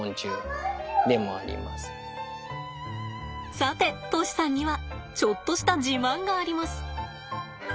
さて杜師さんにはちょっとした自慢があります！